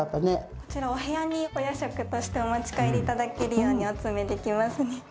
こちらお部屋にお夜食としてお持ち帰りいただけるようにお詰めできますね。